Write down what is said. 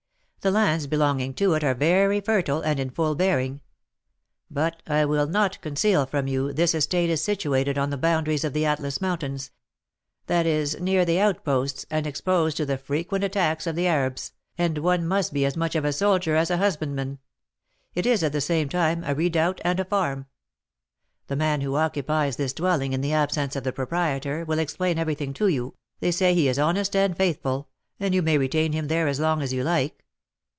The lands belonging to it are very fertile, and in full bearing; but I will not conceal from you, this estate is situated on the boundaries of the Atlas mountains, that is, near the outposts, and exposed to the frequent attacks of the Arabs, and one must be as much of a soldier as a husbandman: it is, at the same time, a redoubt and a farm. The man who occupies this dwelling in the absence of the proprietor will explain everything to you; they say he is honest and faithful, and you may retain him there as long as you like.